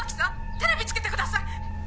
テレビつけてください！